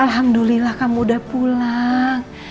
alhamdulillah kamu udah pulang